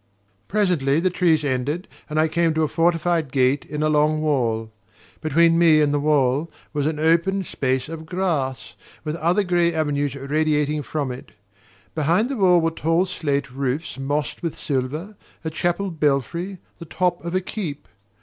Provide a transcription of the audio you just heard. Presently the trees ended and I came to a fortified gate in a long wall. Between me and the wall was an open space of grass, with other grey avenues radiating from it. Behind the wall were tall slate roofs mossed with silver, a chapel belfry, the top of a keep.